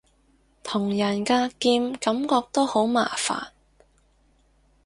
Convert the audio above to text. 同人格劍感覺都好麻煩